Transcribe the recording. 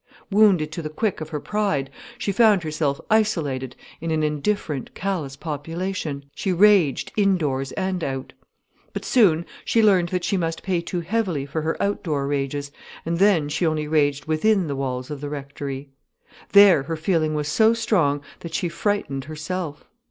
Wounded to the quick of her pride, she found herself isolated in an indifferent, callous population. She raged indoors and out. But soon she learned that she must pay too heavily for her outdoor rages, and then she only raged within the walls of the rectory. There her feeling was so strong, that she frightened herself.